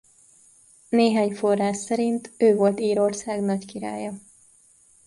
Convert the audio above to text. Néhány forrás szerint ő volt Írország nagykirálya.